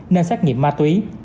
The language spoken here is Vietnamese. nên xác nhiệm ma túy